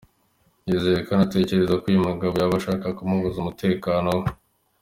Yageze aho anatekereza ko uyu mugabo yaba ashaka kumubuza umutekano we.